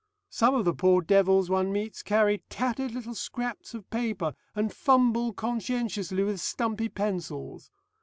Some of the poor devils one meets carry tattered little scraps of paper, and fumble conscientiously with stumpy pencils.